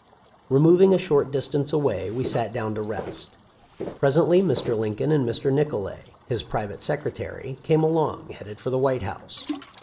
Removing a short dis tance away we sat down to rest. Presently Mr. Lincoln and Mr. Nicolay, his private secretary, came along, headed for the White House.